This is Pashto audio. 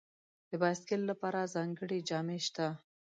د بایسکل لپاره ځانګړي جامې شته.